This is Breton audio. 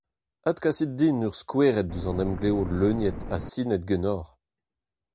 Adkasit din ur skouerenn eus an emglev leuniet ha sinet ganeoc'h.